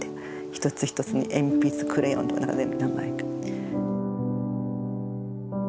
一つ一つに鉛筆クレヨンとか全部名前書いて。